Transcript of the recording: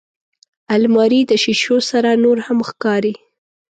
الماري د شیشو سره نورهم ښکاري